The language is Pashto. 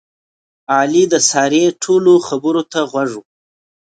علي د سارې ټولو خبرو ته غوږ و.